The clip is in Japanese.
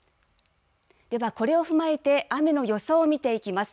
では、これを踏まえて、雨の予想を見ていきます。